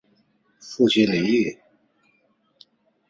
父亲李晟。